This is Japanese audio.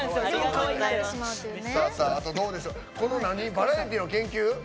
バラエティーの研究？